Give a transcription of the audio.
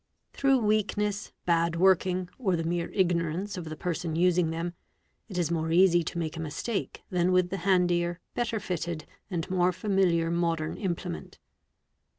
Through weakness, bad working, or the mere ignorance of the person using them, it is more easy to make a mistake than with the handier, better fitted, and more familiar modern implement.